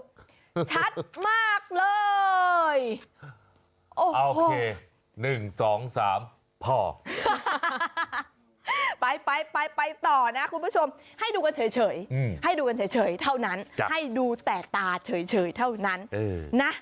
ชัดมากเลยโอเค๑๒๓พ่อไปไปต่อนะคุณผู้ชมให้ดูกันเฉยให้ดูกันเฉยเท่านั้นให้ดูแต่ตาเฉยเท่านั้นนะ